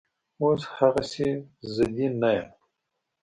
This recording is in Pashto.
اوس هغسې ضدي نه یم